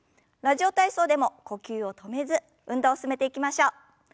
「ラジオ体操」でも呼吸を止めず運動を進めていきましょう。